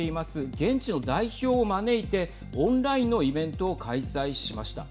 現地の代表を招いてオンラインのイベントを開催しました。